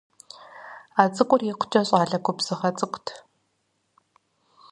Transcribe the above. А цӏыкӏур икъукӀэ щӀалэ губзыгъэ цӀыкӀут.